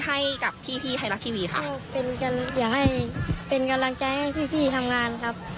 ให้กับพี่พี่ไทยรัฐทีวีค่ะก็เป็นกันอยากให้เป็นกำลังใจให้พี่พี่ทำงานครับ